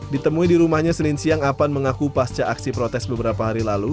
ditemui di rumahnya senin siang avan mengaku pasca aksi protes beberapa hari lalu